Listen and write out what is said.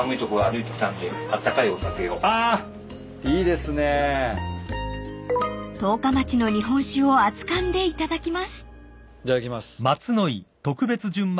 いただきます。